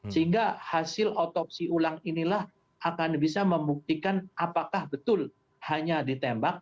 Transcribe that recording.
sehingga hasil otopsi ulang inilah akan bisa membuktikan apakah betul hanya ditembak